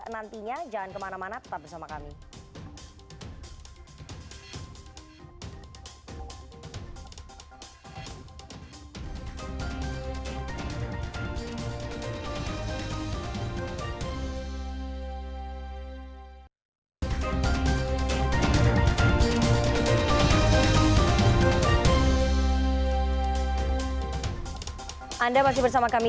nantinya jalan kemana mana tetap bersama kami